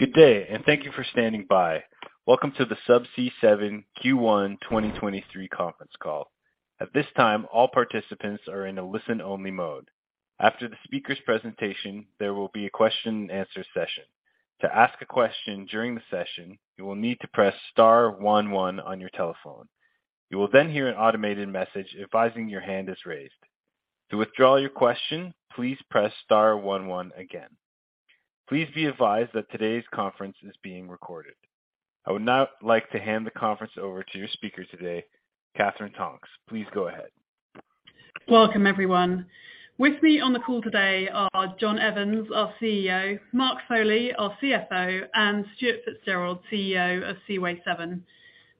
Good day. Thank you for standing by. Welcome to the Subsea7 Q1 2023 conference call. At this time, all participants are in a listen-only mode. After the speaker's presentation, there will be a question and answer session. To ask a question during the session, you will need to press star one one on your telephone. You will hear an automated message advising your hand is raised. To withdraw your question, please press star one one again. Please be advised that today's conference is being recorded. I would now like to hand the conference over to your speaker today, Katherine Tonks. Please go ahead. Welcome, everyone. With me on the call today are John Evans, our CEO; Mark Foley, our CFO; and Stuart Fitzgerald, CEO Seaway7.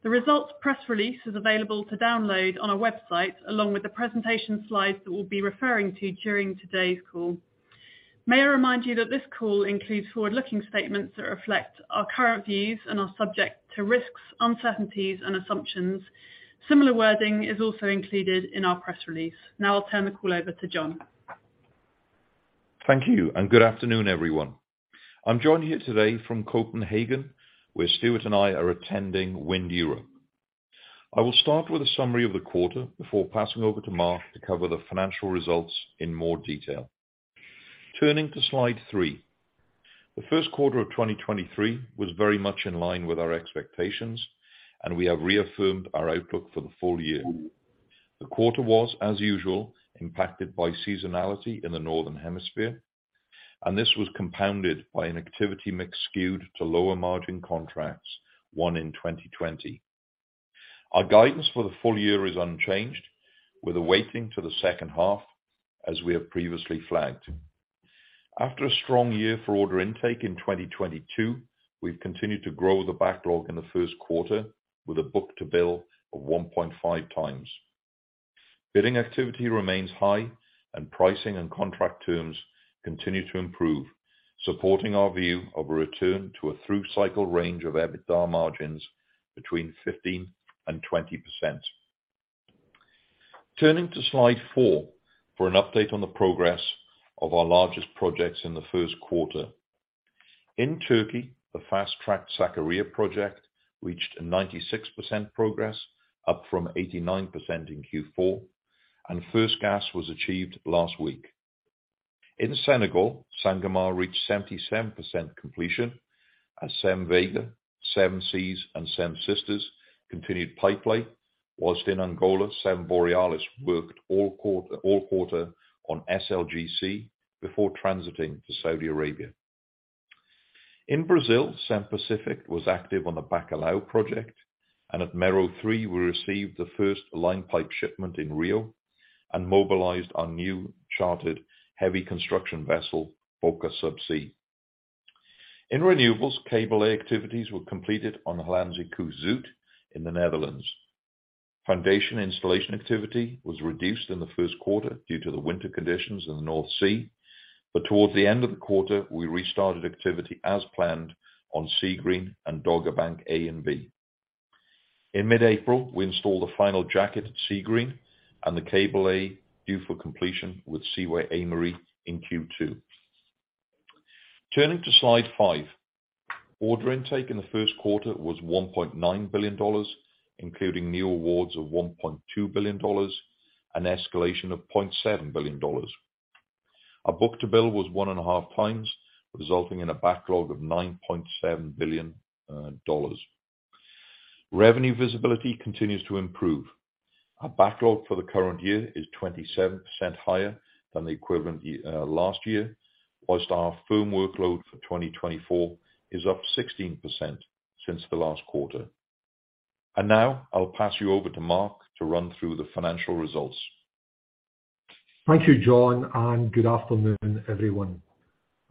the results press release is available to download on our website, along with the presentation slides that we'll be referring to during today's call. May I remind you that this call includes forward-looking statements that reflect our current views and are subject to risks, uncertainties, and assumptions. Similar wording is also included in our press release. Now I'll turn the call over to John. Thank you. Good afternoon, everyone. I'm joining you today from Copenhagen, where Stuart and I are attending WindEurope. I will start with a summary of the quarter before passing over to Mark to cover the financial results in more detail. Turning to slide three. The first quarter of 2023 was very much in line with our expectations, and we have reaffirmed our outlook for the full year. The quarter was, as usual, impacted by seasonality in the Northern Hemisphere, and this was compounded by an activity mix skewed to lower margin contracts, one in 2020. Our guidance for the full year is unchanged, with a weighting to the second half as we have previously flagged. After a strong year for order intake in 2022, we've continued to grow the backlog in the first quarter with a book-to-bill of 1.5x. Bidding activity remains high and pricing and contract terms continue to improve, supporting our view of a return to a through cycle range of EBITDA margins between 15% and 20%. Turning to slide four for an update on the progress of our largest projects in the first quarter. In Turkey, the fast-tracked Sakarya project reached a 96% progress, up from 89% in Q4, and first gas was achieved last week. In Senegal, Sangomar reached 77% completion as Seven Vega, Seven Seas, and Seven Sisters continued pipelay, whilst in Angola, Seven Borealis worked all quarter on SLGC before transiting to Saudi Arabia. In Brazil, Seven Pacific was active on the Bacalhau project, and at Mero Three, we received the first line pipe shipment in Rio and mobilized our new chartered heavy construction vessel, Boka Sub C. In renewables, cable activities were completed on the Hollandse Kust Zuid in the Netherlands. Foundation installation activity was reduced in the first quarter due to the winter conditions in the North Sea. Towards the end of the quarter, we restarted activity as planned on Seagreen and Dogger Bank A and B. In mid-April, we installed the final jacket at Seagreen and the Cable A due for completion with Seaway Aimery in Q2. Turning to slide five. Order intake in the first quarter was $1.9 billion, including new awards of $1.2 billion, an escalation of $0.7 billion. Our book-to-bill was 1.5x, resulting in a backlog of $9.7 billion. Revenue visibility continues to improve. Our backlog for the current year is 27% higher than the equivalent last year, whilst our firm workload for 2024 is up 16% since the last quarter. Now I'll pass you over to Mark to run through the financial results. Thank you, John. Good afternoon, everyone.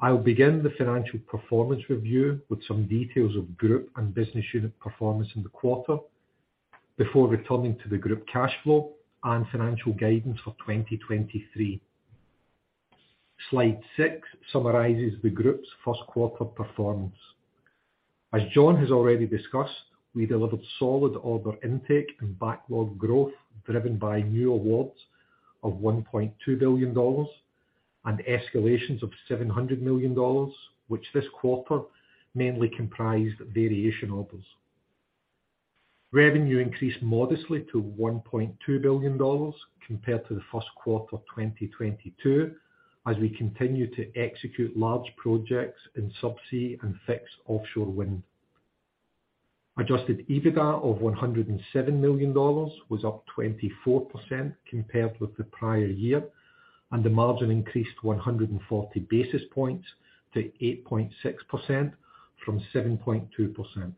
I'll begin the financial performance review with some details of group and business unit performance in the quarter before returning to the group cash flow and financial guidance for 2023. Slide six summarizes the group's first quarter performance. As John has already discussed, we delivered solid order intake and backlog growth driven by new awards of $1.2 billion and escalations of $700 million, which this quarter mainly comprised variation orders. Revenue increased modestly to $1.2 billion compared to the first quarter of 2022 as we continue to execute large projects in subsea and fixed offshore wind. Adjusted EBITDA of $107 million was up 24% compared with the prior year, and the margin increased 140 basis points to 8.6% from 7.2%.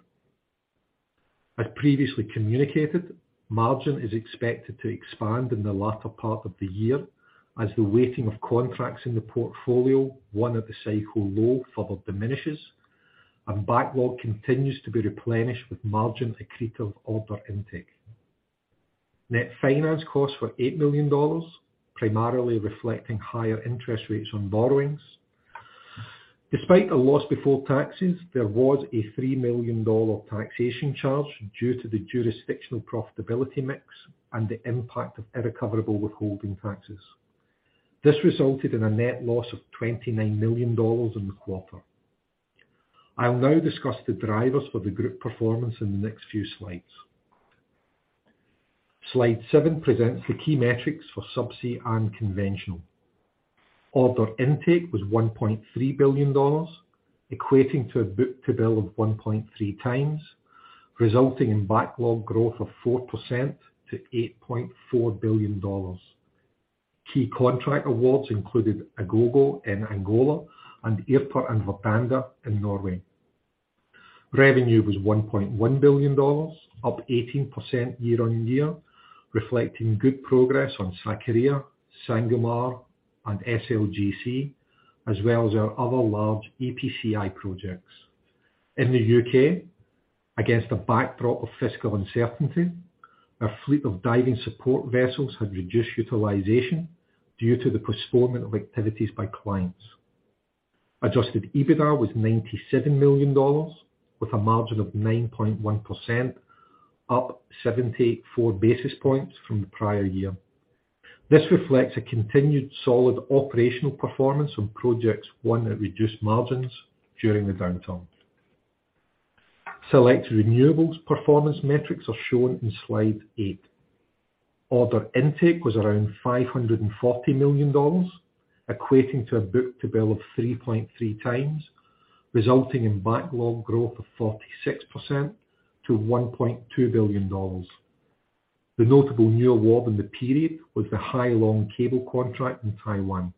As previously communicated, margin is expected to expand in the latter part of the year as the weighting of contracts in the portfolio, one at the cycle low, further diminishes and backlog continues to be replenished with margin accretive order intake. Net finance costs were $8 million, primarily reflecting higher interest rates on borrowings. Despite a loss before taxes, there was a $3 million taxation charge due to the jurisdictional profitability mix and the impact of irrecoverable withholding taxes. This resulted in a net loss of $29 million in the quarter. I'll now discuss the drivers for the group performance in the next few slides. Slide seven presents the key metrics for Subsea and Conventional. Order intake was $1.3 billion, equating to a book-to-bill of 1.3x, resulting in backlog growth of 4% to $8.4 billion. Key contract awards included Agogo in Angola and Irpa and Verdande in Norway. Revenue was $1.1 billion, up 18% year-on-year, reflecting good progress on Sakarya, Sangomar and SLGC, as well as our other large EPCI projects. In the U.K., against a backdrop of fiscal uncertainty, our fleet of diving support vessels had reduced utilization due to the postponement of activities by clients. Adjusted EBITDA was $97 million, with a margin of 9.1%, up 74 basis points from the prior year. This reflects a continued solid operational performance on projects won at reduced margins during the downturn. Select renewables performance metrics are shown in slide eight. Order intake was around $540 million, equating to a book-to-bill of 3.3x, resulting in backlog growth of 46% to $1.2 billion. The notable new award in the period was the Hai Long cable contract in Taiwan.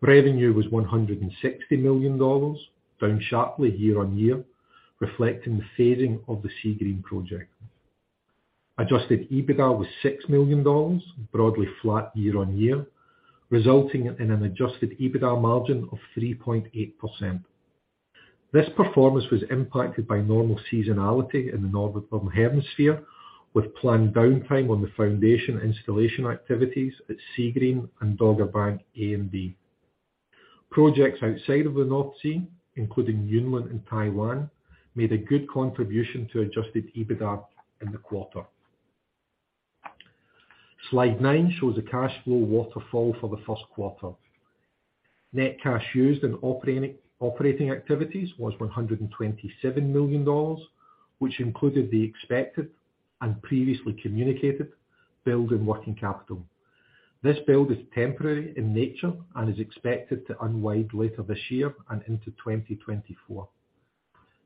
Revenue was $160 million, down sharply year-on-year, reflecting the fading of the Seagreen project. Adjusted EBITDA was $6 million, broadly flat year-on-year, resulting in an Adjusted EBITDA margin of 3.8%. This performance was impacted by normal seasonality in the Northern Hemisphere, with planned downtime on the foundation installation activities at Seagreen and Dogger Bank A and B. Projects outside of the North Sea, including Yunlin in Taiwan, made a good contribution to Adjusted EBITDA in the quarter. Slide nine shows the cash flow waterfall for the first quarter. Net cash used in operating activities was $127 million, which included the expected and previously communicated build in working capital. This build is temporary in nature and is expected to unwind later this year and into 2024.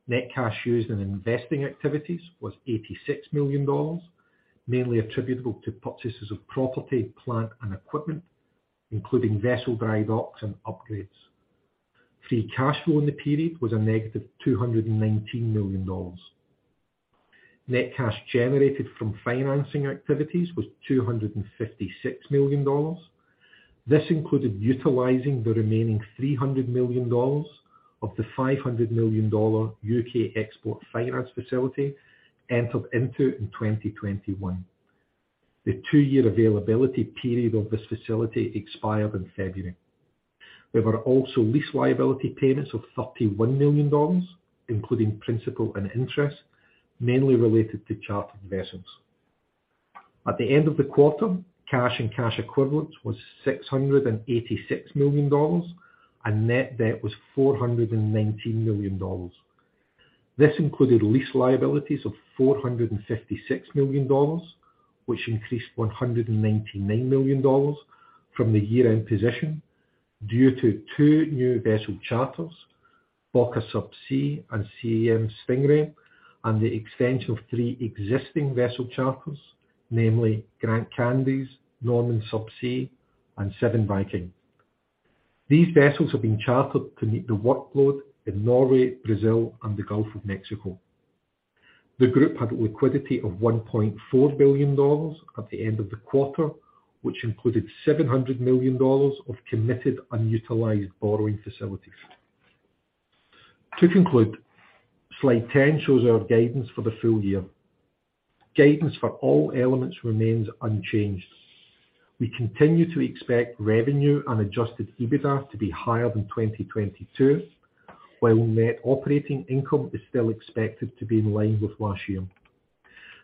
Net cash used in investing activities was $86 million, mainly attributable to purchases of property, plant and equipment, including vessel dry docks and upgrades. Free cash flow in the period was a $-219 million. Net cash generated from financing activities was $256 million. This included utilizing the remaining $300 million of the $500 million U.K. Export Finance facility entered into in 2021. The two-year availability period of this facility expired in February. There were also lease liability payments of $31 million, including principal and interest, mainly related to chartered vessels. At the end of the quarter, cash and cash equivalents was $686 million, and net debt was $419 million. This included lease liabilities of $456 million, which increased $199 million from the year-end position due to two new vessel charters, Boka Sub C and Siem Stingray, and the extension of three existing vessel charters, namely Grand Candies, Normand Subsea and Seven Viking. These vessels have been chartered to meet the workload in Norway, Brazil and the Gulf of Mexico. The group had liquidity of $1.4 billion at the end of the quarter, which included $700 million of committed unutilized borrowing facilities. To conclude, slide 10 shows our guidance for the full year. Guidance for all elements remains unchanged. We continue to expect revenue and Adjusted EBITDA to be higher than 2022, while net operating income is still expected to be in line with last year.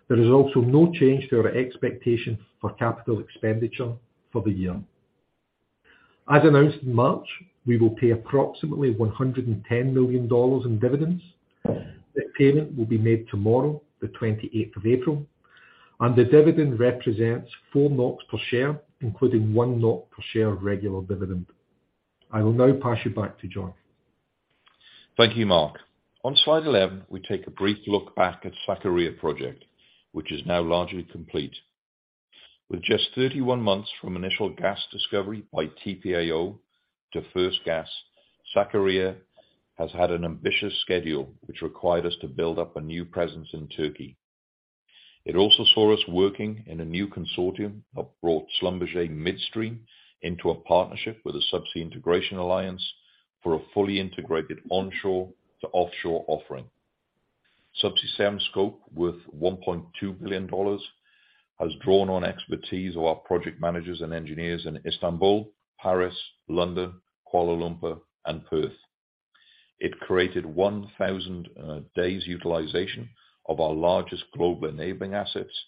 There is also no change to our expectation for capital expenditure for the year. As announced in March, we will pay approximately $110 million in dividends. The payment will be made tomorrow, the 28th of April. The dividend represents 4 NOK per share, including 1 NOK per share regular dividend. I will now pass you back to John. Thank you, Mark. On slide 11, we take a brief look back at Sakarya project, which is now largely complete. With just 31 months from initial gas discovery by TPAO to first gas, Sakarya has had an ambitious schedule which required us to build up a new presence in Turkey. It also saw us working in a new consortium that brought Schlumberger midstream into a partnership with the Subsea Integration Alliance for a fully integrated onshore to offshore offering. Subsea7 scope, worth $1.2 billion, has drawn on expertise of our project managers and engineers in Istanbul, Paris, London, Kuala Lumpur and Perth. It created 1,000 days utilization of our largest global enabling assets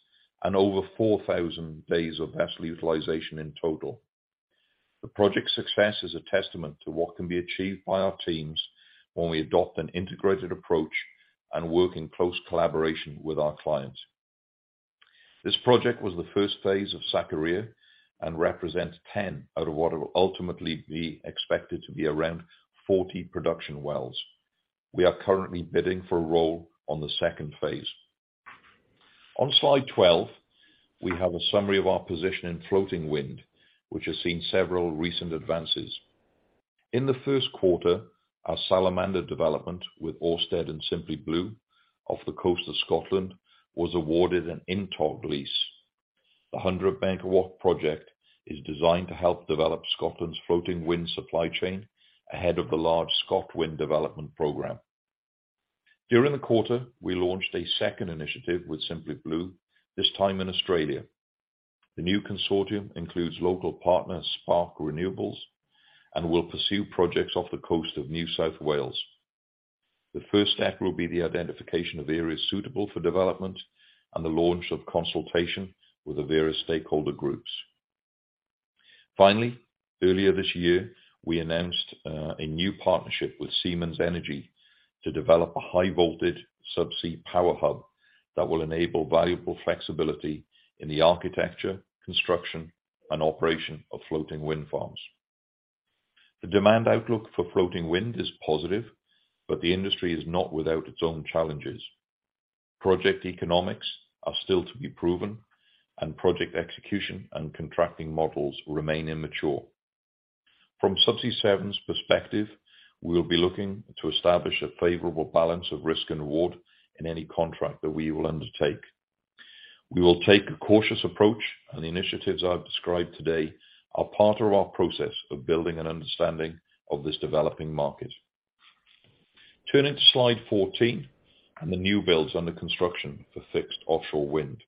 and over 4,000 days of vessel utilization in total. The project's success is a testament to what can be achieved by our teams when we adopt an integrated approach and work in close collaboration with our clients. This project was the first phase of Sakarya and represents 10 out of what it will ultimately be expected to be around 40 production wells. We are currently bidding for a role on the second phase. On slide 12, we have a summary of our position in floating wind, which has seen several recent advances. In the first quarter, our Salamander development with Ørsted and Simply Blue off the coast of Scotland was awarded an INTOG lease. The Hunterston project is designed to help develop Scotland's floating wind supply chain ahead of the large ScotWind development program. During the quarter, we launched a second initiative with Simply Blue, this time in Australia. The new consortium includes local partner Spark Renewables and will pursue projects off the coast of New South Wales. The first step will be the identification of areas suitable for development and the launch of consultation with the various stakeholder groups. Finally, earlier this year, we announced a new partnership with Siemens Energy to develop a high-voltage subsea power hub that will enable valuable flexibility in the architecture, construction and operation of floating wind farms. The demand outlook for floating wind is positive, but the industry is not without its own challenges. Project economics are still to be proven, and project execution and contracting models remain immature. From Subsea7's perspective, we will be looking to establish a favorable balance of risk and reward in any contract that we will undertake. We will take a cautious approach. The initiatives I've described today are part of our process of building an understanding of this developing market. Turning to slide 14 and the new builds under construction for fixed offshore wind.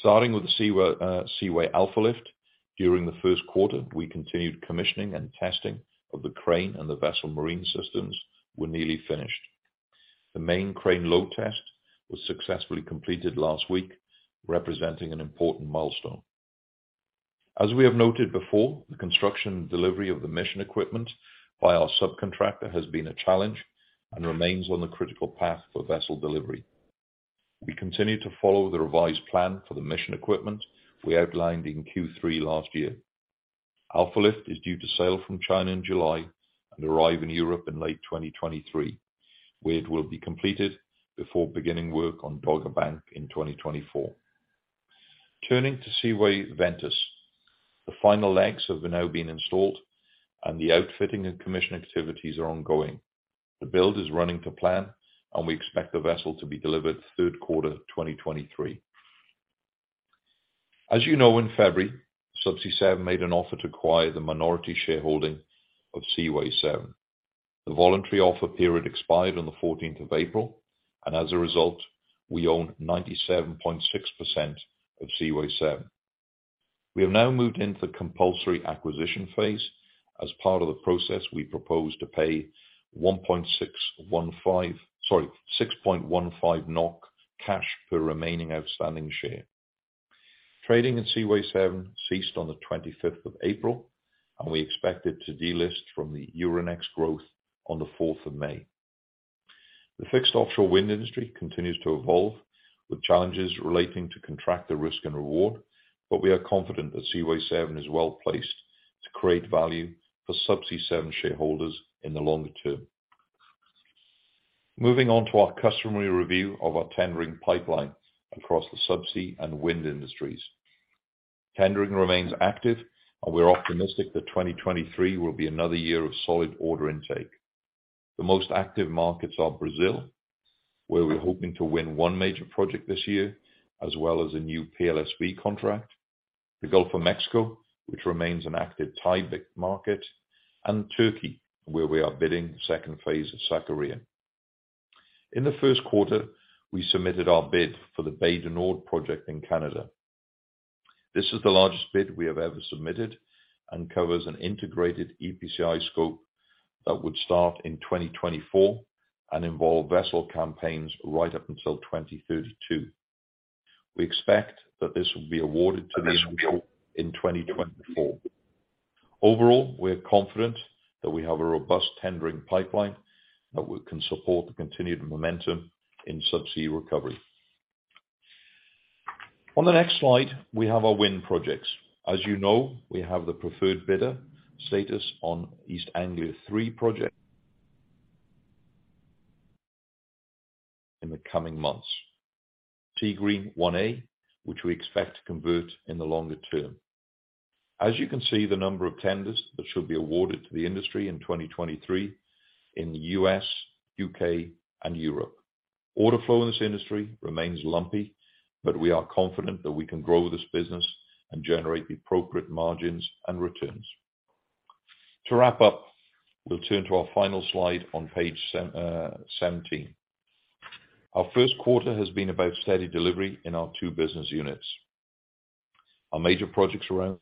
Starting with the Seaway Alfa Lift. During the 1st quarter, we continued commissioning and testing of the crane and the vessel marine systems were nearly finished. The main crane load test was successfully completed last week, representing an important milestone. As we have noted before, the construction delivery of the mission equipment by our subcontractor has been a challenge and remains on the critical path for vessel delivery. We continue to follow the revised plan for the mission equipment we outlined in Q3 last year. Alfa Lift is due to sail from China in July and arrive in Europe in late 2023, where it will be completed before beginning work on Dogger Bank in 2024. Turning to Seaway Ventus, the final legs have now been installed and the outfitting and commission activities are ongoing. The build is running to plan, and we expect the vessel to be delivered third quarter 2023. As you know, in February, Subsea7 made an offer to acquire the minority shareholding Seaway7. the voluntary offer period expired on the April 14th. As a result, we own 97.6% Seaway7. we have now moved into the compulsory acquisition phase. As part of the process, we propose to pay 1.615, sorry, 6.15 NOK cash per remaining outstanding share. Trading Seaway7 ceased on the April 25th. We expect it to delist from the Euronext Growth on the May 4th. The fixed offshore wind industry continues to evolve, with challenges relating to contractor risk and reward. We are confident Seaway7 is well-placed to create value for Subsea7 shareholders in the longer term. Moving on to our customary review of our tendering pipeline across the subsea and wind industries. Tendering remains active. We're optimistic that 2023 will be another year of solid order intake. The most active markets are Brazil, where we're hoping to win one major project this year, as well as a new PLSV contract, the Gulf of Mexico, which remains an active tieback market. Turkey, where we are bidding second phase of Sakarya. In the first quarter, we submitted our bid for the Bay du Nord project in Canada. This is the largest bid we have ever submitted and covers an integrated EPCI scope that would start in 2024 and involve vessel campaigns right up until 2032. We expect that this will be awarded to the initial in 2024. Overall, we are confident that we have a robust tendering pipeline that we can support the continued momentum in subsea recovery. On the next slide, we have our wind projects. As you know, we have the preferred bidder status on East Anglia 3 project in the coming months. Seagreen 1A, which we expect to convert in the longer term. As you can see, the number of tenders that should be awarded to the industry in 2023 in the U.S., U.K. and Europe. Order flow in this industry remains lumpy, but we are confident that we can grow this business and generate the appropriate margins and returns. To wrap up, we'll turn to our final slide on page 17. Our first quarter has been about steady delivery in our two business units. Our major projects around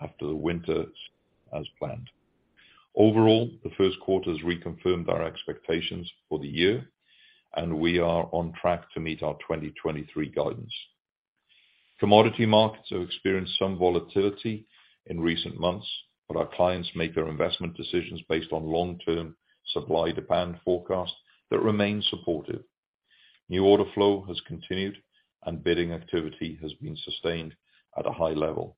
after the winter as planned. Overall, the first quarter has reconfirmed our expectations for the year, and we are on track to meet our 2023 guidance. Commodity markets have experienced some volatility in recent months, but our clients make their investment decisions based on long-term supply-demand forecasts that remain supportive. New order flow has continued, and bidding activity has been sustained at a high level.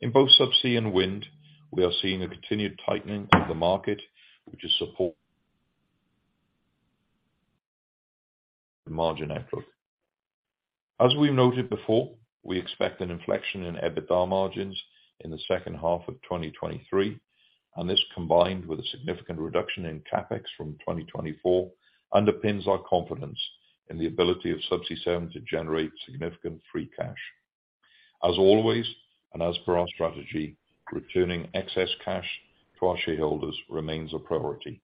In both subsea and wind, we are seeing a continued tightening of the market, which is support margin outlook. As we've noted before, we expect an inflection in EBITDA margins in the second half of 2023, and this combined with a significant reduction in CapEx from 2024, underpins our confidence in the ability of Subsea7 to generate significant free cash. As always, and as per our strategy, returning excess cash to our shareholders remains a priority.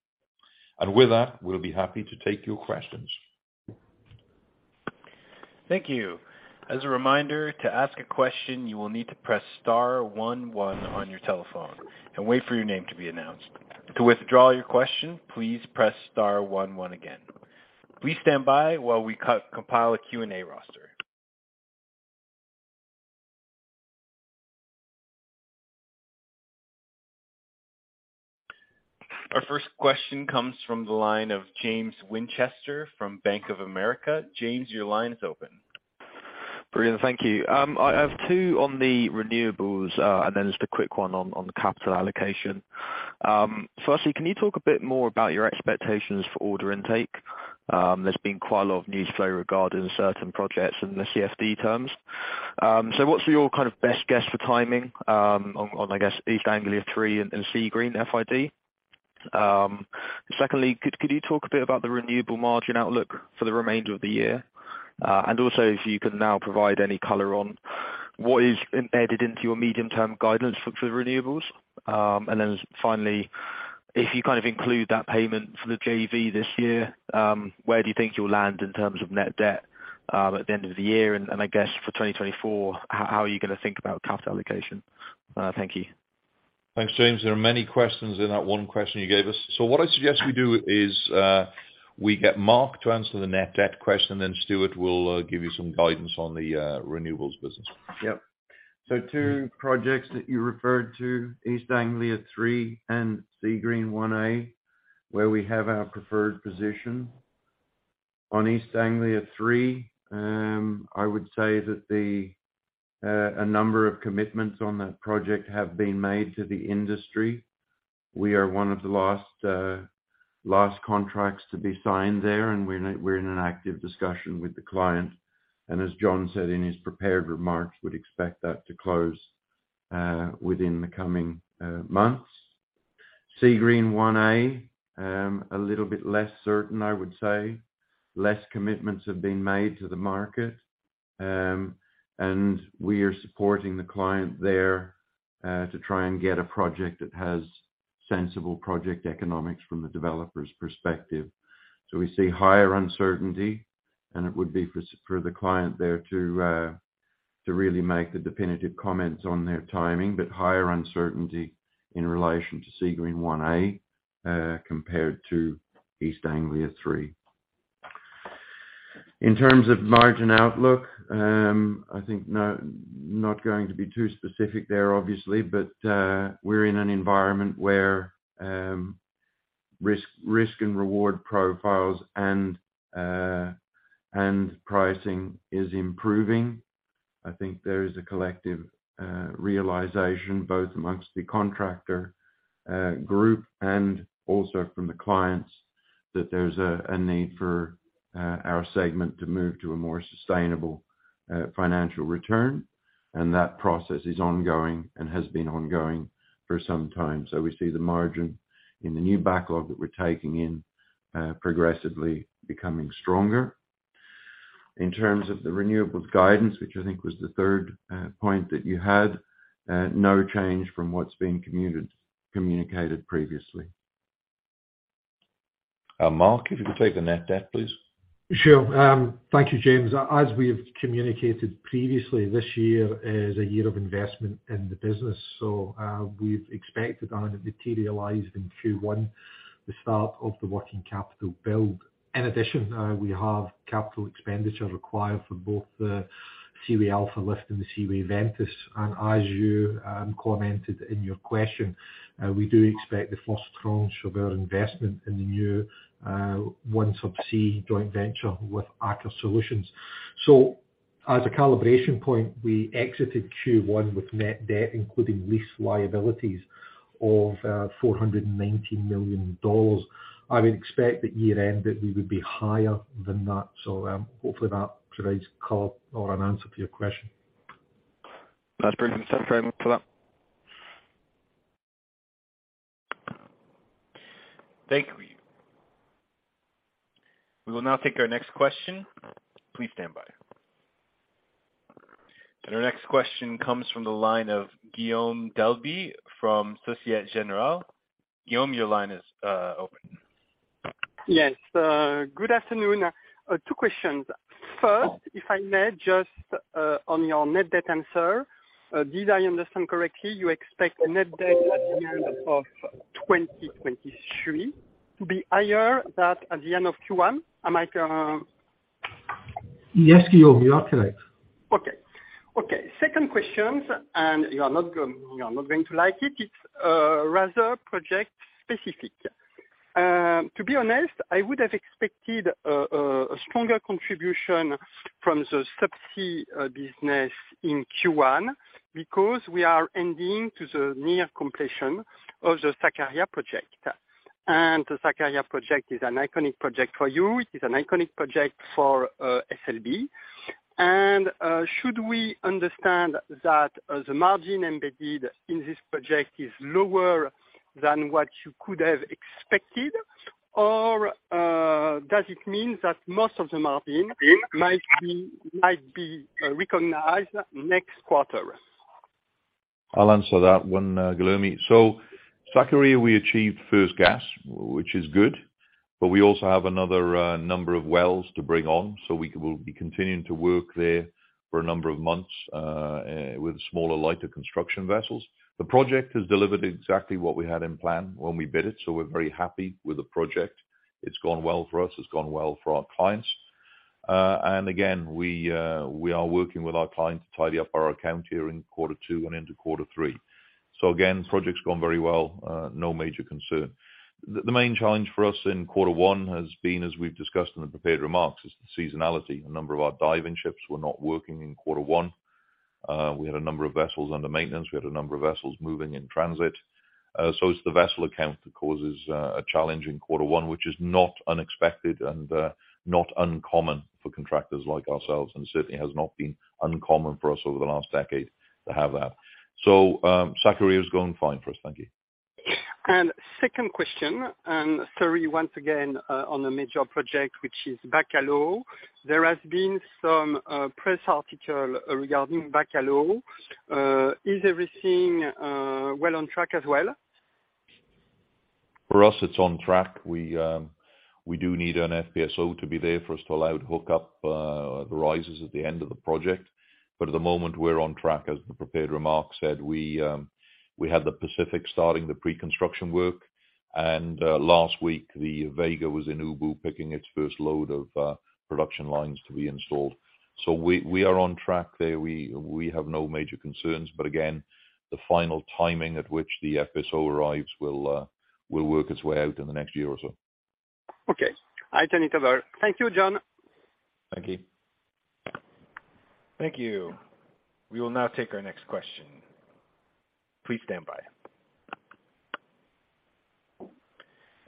With that, we'll be happy to take your questions. Thank you. As a reminder, to ask a question, you will need to press star one one on your telephone and wait for your name to be announced. To withdraw your question, please press star one one again. Please stand by while we co-compile a Q&A roster. Our first question comes from the line of James Winchester from Bank of America. James, your line is open. Brilliant. Thank you. I have two on the renewables, and then just a quick one on the capital allocation. Firstly, can you talk a bit more about your expectations for order intake? There's been quite a lot of news flow regarding certain projects and the CFD terms. What's your kind of best guess for timing, on, I guess, East Anglia 3 and Seagreen FID? Secondly, could you talk a bit about the renewable margin outlook for the remainder of the year? Also if you can now provide any color on what is embedded into your medium-term guidance for the renewables. Then finally, if you kind of include that payment for the JV this year, where do you think you'll land in terms of net debt at the end of the year? I guess for 2024, how are you gonna think about capital allocation? Thank you. Thanks, James. There are many questions in that one question you gave us. What I suggest we do is, we get Mark to answer the net debt question, then Stuart will give you some guidance on the renewables business. Yep. Two projects that you referred to, East Anglia 3 and Seagreen 1A, where we have our preferred position. On East Anglia 3, I would say that a number of commitments on that project have been made to the industry. We are one of the last contracts to be signed there, and we're in an active discussion with the client. As John said in his prepared remarks, we'd expect that to close within the coming months. Seagreen 1A, a little bit less certain, I would say. Less commitments have been made to the market, and we are supporting the client there to try and get a project that has sensible project economics from the developer's perspective. We see higher uncertainty, and it would be for the client there to really make the definitive comments on their timing. Higher uncertainty in relation to Seagreen 1A compared to East Anglia 3. In terms of margin outlook, I think, not going to be too specific there obviously, but we're in an environment where risk and reward profiles and pricing is improving. I think there is a collective realization both amongst the contractor group and also from the clients that there's a need for our segment to move to a more sustainable financial return, and that process is ongoing and has been ongoing for some time. We see the margin in the new backlog that we're taking in progressively becoming stronger. In terms of the renewables guidance, which I think was the third point that you had, no change from what's been communicated previously. Mark, if you could take the net debt, please. Sure. Thank you, James. As we have communicated previously, this year is a year of investment in the business. We've expected and it materialized in Q1, the start of the working capital build. In addition, we have capital expenditure required for both the Seaway Alfa Lift and the Seaway Ventus. As you commented in your question, we do expect the first tranche of our investment in the new OneSubsea joint venture with Aker Solutions. As a calibration point, we exited Q1 with net debt, including lease liabilities of $419 million. I would expect that year-end that we would be higher than that. Hopefully that provides color or an answer for your question. That's brilliant. Thank you for that. Thank you. We will now take our next question. Please stand by. Our next question comes from the line of Guillaume Delaby from Société Générale. Guillaume, your line is open. Yes. Good afternoon. Two questions. First, if I may just, on your net debt answer, did I understand correctly, you expect a net debt at the end of 2023 to be higher than at the end of Q1? Am I? Yes, Guillaume, you are correct. Okay. Okay, second question, you are not going to like it. It's rather project specific. To be honest, I would have expected a stronger contribution from the subsea business in Q1 because we are ending to the near completion of the Sakarya project. The Sakarya project is an iconic project for you. It's an iconic project for SLB. Should we understand that the margin embedded in this project is lower than what you could have expected? Does it mean that most of the margin might be recognized next quarter? I'll answer that one, Guillaume. Sakarya, we achieved first gas, which is good, but we also have another number of wells to bring on, so we will be continuing to work there for a number of months with smaller, lighter construction vessels. The project has delivered exactly what we had in plan when we bid it, so we're very happy with the project. It's gone well for us. It's gone well for our clients. Again, we are working with our clients to tidy up our account here in quarter two and into quarter three. Again, project's gone very well. No major concern. The main challenge for us in quarter one has been, as we've discussed in the prepared remarks, is the seasonality. A number of our diving ships were not working in quarter one. We had a number of vessels under maintenance. We had a number of vessels moving in transit. It's the vessel account that causes a challenge in Q1, which is not unexpected and not uncommon for contractors like ourselves, and certainly has not been uncommon for us over the last decade to have that. Sakarya is going fine for us. Thank you. Second question, and sorry, once again, on a major project, which is Bacalhau. There has been some press article regarding Bacalhau. Is everything well on track as well? For us, it's on track. We do need an FPSO to be there for us to allow to hook up the rises at the end of the project. At the moment, we're on track, as the prepared remarks said. We have the Pacific starting the pre-construction work. Last week, the Vega was in Ubu picking its first load of production lines to be installed. We are on track there. We have no major concerns, but again, the final timing at which the FPSO arrives will work its way out in the next year or so. Okay. I turn it over. Thank you, John. Thank you. Thank you. We will now take our next question. Please stand by.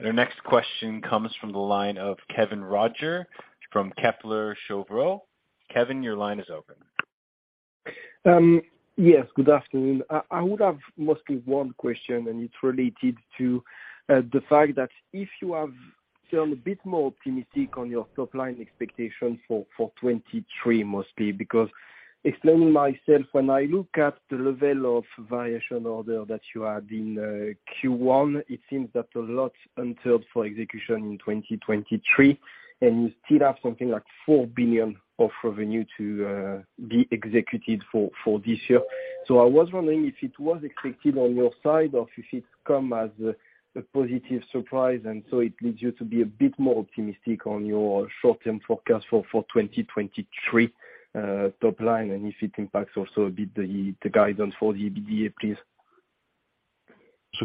Our next question comes from the line of Kevin Roger from Kepler Cheuvreux. Kevin, your line is open. Yes, good afternoon. I would have mostly one question. It's related to the fact that if you have turned a bit more optimistic on your top line expectations for 2023, mostly, because explaining myself, when I look at the level of variation order that you had in Q1, it seems that a lot entered for execution in 2023, and you still have something like $4 billion of revenue to be executed for this year. I was wondering if it was expected on your side or if it come as a positive surprise. It leads you to be a bit more optimistic on your short-term forecast for 2023 top line. If it impacts also a bit the guidance for the EBITDA, please.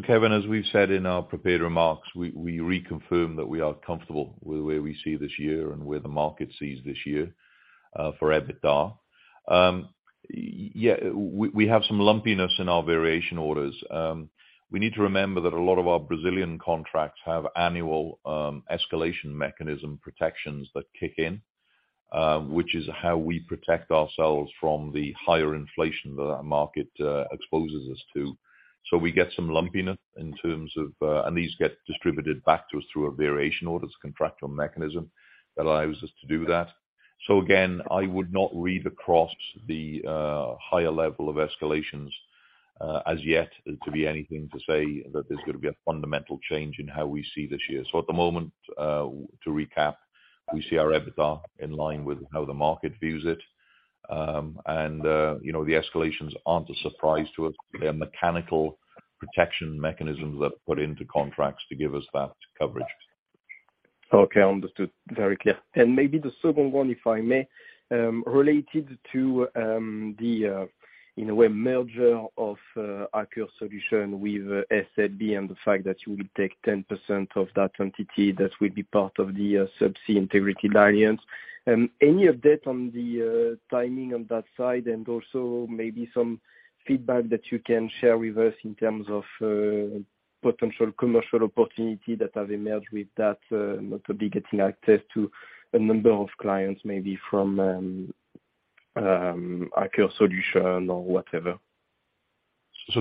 Kevin, as we've said in our prepared remarks, we reconfirm that we are comfortable with the way we see this year and where the market sees this year for EBITDA. We have some lumpiness in our variation orders. We need to remember that a lot of our Brazilian contracts have annual escalation mechanism protections that kick in, which is how we protect ourselves from the higher inflation that our market exposes us to. We get some lumpiness in terms of. These get distributed back to us through a variation orders contractual mechanism that allows us to do that. Again, I would not read across the higher level of escalations as yet to be anything to say that there's gonna be a fundamental change in how we see this year. At the moment, to recap, we see our EBITDA in line with how the market views it. You know, the escalations aren't a surprise to us. They're mechanical protection mechanisms that are put into contracts to give us that coverage. Okay. Understood. Very clear. Maybe the second one, if I may, related to the in a way merger of Aker Solutions with SLB and the fact that you will take 10% of that entity that will be part of the Subsea Integration Alliance. Any update on the timing on that side and also maybe some feedback that you can share with us in terms of potential commercial opportunity that have emerged with that, not only getting access to a number of clients maybe from Aker Solutions or whatever?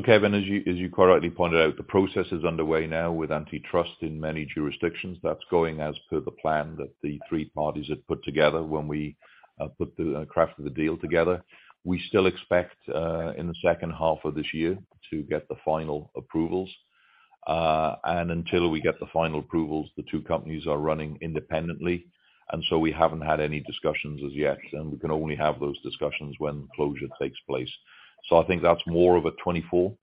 Kevin, as you correctly pointed out, the process is underway now with antitrust in many jurisdictions. That's going as per the plan that the three parties have put together when we crafted the deal together. We still expect in the second half of this year to get the final approvals. Until we get the final approvals, the two companies are running independently. We haven't had any discussions as yet, and we can only have those discussions when closure takes place. I think that's more of a 24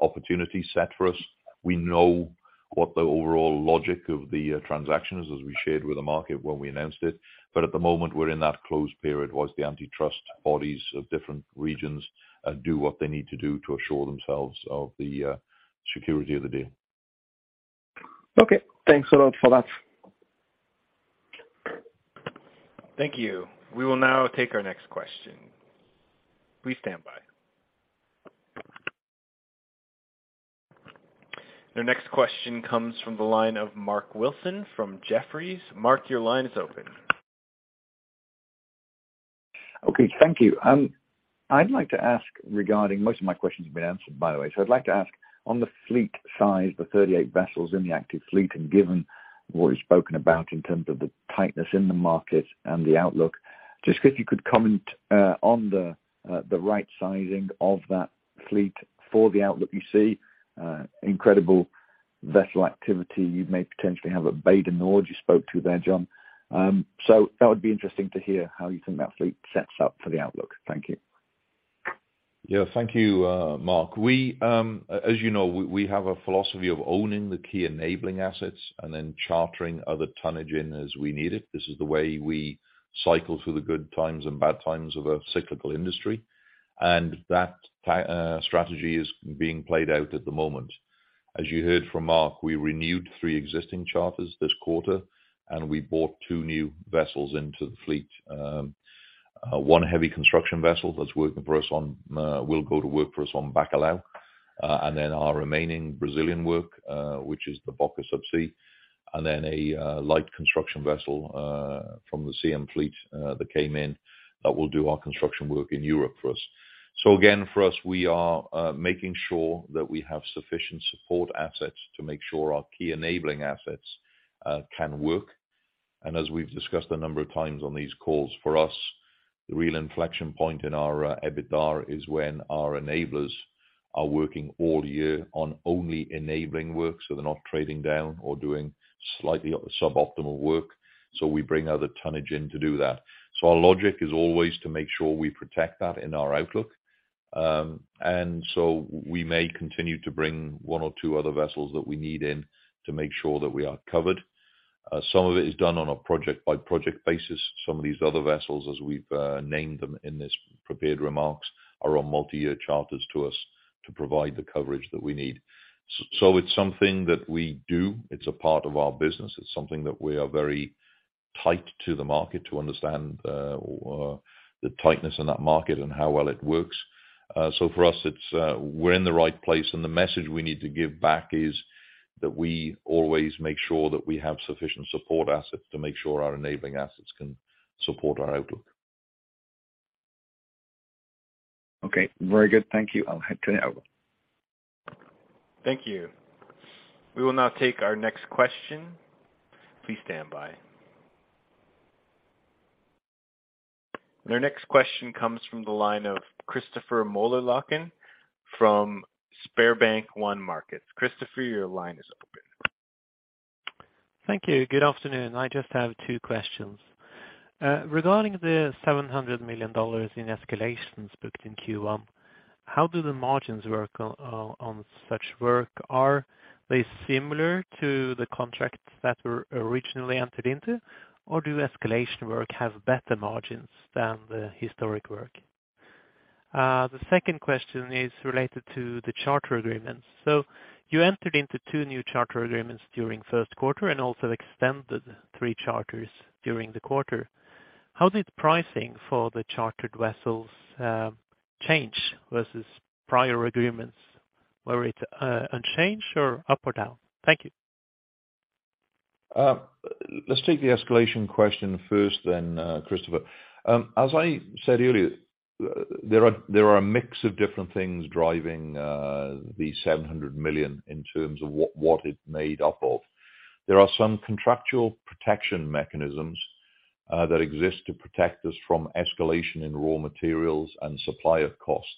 opportunity set for us. We know what the overall logic of the transaction is, as we shared with the market when we announced it. At the moment, we're in that closed period whilst the antitrust bodies of different regions do what they need to do to assure themselves of the security of the deal. Okay. Thanks a lot for that. Thank you. We will now take our next question. Please stand by. The next question comes from the line of Mark Wilson from Jefferies. Mark, your line is open. Okay. Thank you. Most of my questions have been answered by the way, so I'd like to ask on the fleet size, the 38 vessels in the active fleet, and given what you've spoken about in terms of the tightness in the market and the outlook, just if you could comment, on the right sizing of that fleet for the outlook you see, incredible vessel activity you may potentially have at Northern Lights, you spoke to there, John. That would be interesting to hear how you think that fleet sets up for the outlook. Thank you. Thank you, Mark. We, as you know, we have a philosophy of owning the key enabling assets and then chartering other tonnage in as we need it. This is the way we cycle through the good times and bad times of a cyclical industry. That strategy is being played out at the moment. As you heard from Mark, we renewed three existing charters this quarter, and we bought two new vessels into the fleet. One heavy construction vessel that's working for us on, will go to work for us on Bacalhau, and then our remaining Brazilian work, which is the Boka Sub C, and then a light construction vessel from the CM fleet that came in that will do our construction work in Europe for us. Again, for us, we are making sure that we have sufficient support assets to make sure our key enabling assets can work. As we've discussed a number of times on these calls, for us, the real inflection point in our EBITDA is when our enablers are working all year on only enabling work, so they're not trading down or doing slightly sub-optimal work. We bring other tonnage in to do that. Our logic is always to make sure we protect that in our outlook. We may continue to bring one or two other vessels that we need in to make sure that we are covered. Some of it is done on a project-by-project basis. Some of these other vessels, as we've, named them in this prepared remarks, are on multi-year charters to us to provide the coverage that we need. It's something that we do. It's a part of our business. It's something that we are very tight to the market to understand the tightness in that market and how well it works. For us it's, we're in the right place, and the message we need to give back is that we always make sure that we have sufficient support assets to make sure our enabling assets can support our outlook. Okay. Very good. Thank you. I'll hand turn it over. Thank you. We will now take our next question. Please stand by. Our next question comes from the line of Christopher Møllerløkken from SpareBank 1 Markets. Christopher, your line is open. Thank you. Good afternoon. I just have two questions. Regarding the $700 million in escalations booked in Q1, how do the margins work on such work? Are they similar to the contracts that were originally entered into, or do escalation work have better margins than the historic work? The second question is related to the charter agreements. You entered into two new charter agreements during first quarter and also extended three charters during the quarter. How did pricing for the chartered vessels change versus prior agreements? Were it unchanged or up or down? Thank you. Let's take the escalation question first then, Christopher. As I said earlier, there are a mix of different things driving the $700 million in terms of what it's made up of. There are some contractual protection mechanisms that exist to protect us from escalation in raw materials and supply of costs.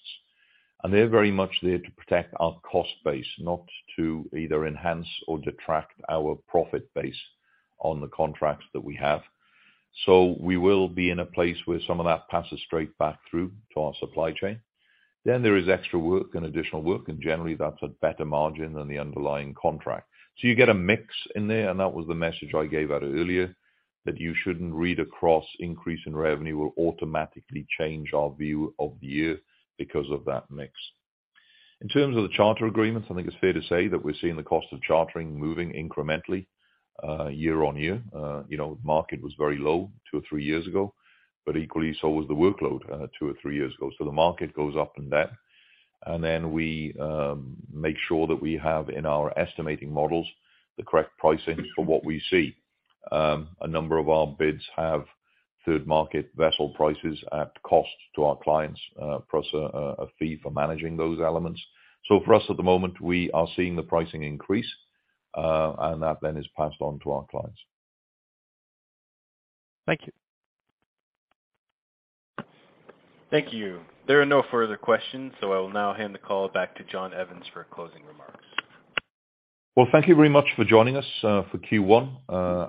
They're very much there to protect our cost base, not to either enhance or detract our profit base on the contracts that we have. We will be in a place where some of that passes straight back through to our supply chain. There is extra work and additional work, and generally that's a better margin than the underlying contract. You get a mix in there, and that was the message I gave out earlier, that you shouldn't read across increase in revenue will automatically change our view of the year because of that mix. In terms of the charter agreements, I think it's fair to say that we're seeing the cost of chartering moving incrementally, year on year. You know, market was very low two or three years ago, but equally so was the workload, two or three years ago. The market goes up and down. Then we make sure that we have in our estimating models the correct pricing for what we see. A number of our bids have third market vessel prices at cost to our clients, plus a fee for managing those elements. For us at the moment, we are seeing the pricing increase, and that then is passed on to our clients. Thank you. Thank you. There are no further questions, so I will now hand the call back to John Evans for closing remarks. Well, thank you very much for joining us for Q1.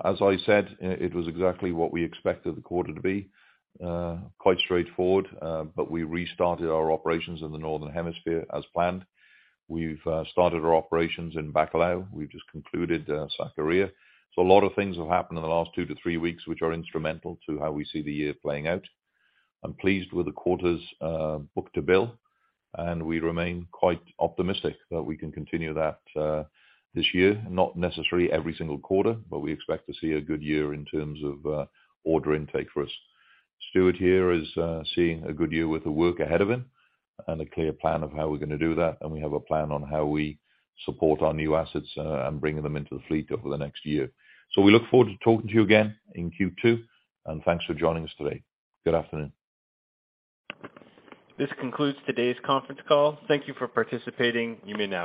As I said, it was exactly what we expected the quarter to be. Quite straightforward, but we restarted our operations in the Northern Hemisphere as planned. We've started our operations in Bacalhau. We just concluded Sakarya. A lot of things have happened in the last two to three weeks which are instrumental to how we see the year playing out. I'm pleased with the quarter's book-to-bill, and we remain quite optimistic that we can continue that this year. Not necessarily every single quarter, but we expect to see a good year in terms of order intake for us. Stuart here is seeing a good year with the work ahead of him and a clear plan of how we're gonna do that, and we have a plan on how we support our new assets, bringing them into the fleet over the next year. We look forward to talking to you again in Q2, and thanks for joining us today. Good afternoon. This concludes today's conference call. Thank you for participating. You may now disconnect.